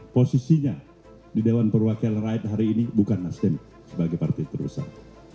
posisinya di dewan perwakilan rakyat hari ini bukan nasdem sebagai partai terusan